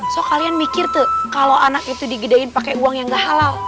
so kalian mikir tuh kalau anak itu digedain pakai uang yang gak halal